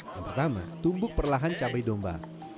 yang pertama tumbuk perlahan cabai domba